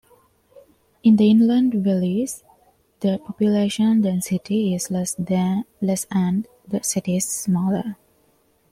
In the inland valleys, the population density is less and the cities smaller.